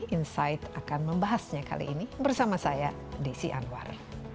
insight akan membahasnya kali ini bersama saya desi anwar